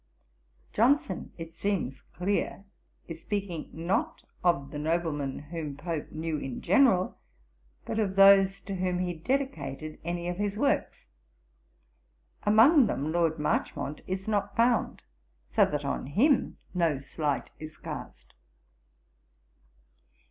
Johnson, it seems clear, is speaking, not of the noblemen whom Pope knew in general, but of those to whom he dedicated any of his works. Among them Lord Marchmont is not found, so that on him no slight is cast.